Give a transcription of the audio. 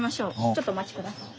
ちょっとお待ち下さい。